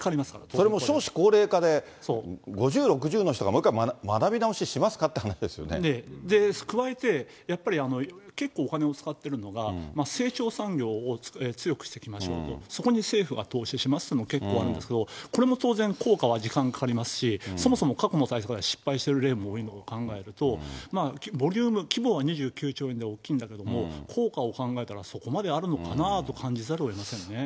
それも少子高齢化で、５０、６０の人がもう一回、学び直しし加えてやっぱり、結構お金を使っているのが、成長産業を強くしていきましょうと、そこに政府が投資しますというのも結構あるんですけど、これも当然、効果は時間かかりますし、そもそも過去の対策が失敗してる例も多いのを考えると、ボリューム、規模は２９兆円で大きいんだけれども、効果を考えたら、そこまであるのかなと感じざるをえませんね。